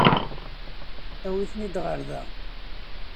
Awit-ten-id ɣer da.